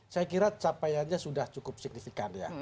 saya kira capaiannya sudah cukup signifikan ya